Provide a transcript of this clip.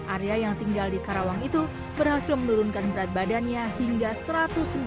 arya yang tinggal di karawang itu berhasil menurunkan berat badannya hingga satu ratus sembilan puluh